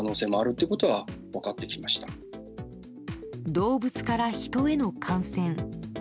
動物から人への感染。